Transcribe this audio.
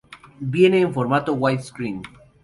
Viene en formato "widescreen".